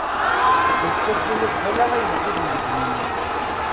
Yettaǧǧa-yas-d ala ayen ẓiden deg yimi.